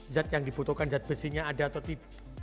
zat yang dibutuhkan zat besinya ada atau tidak